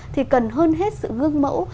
thì cần hơn hết sự gương mẫu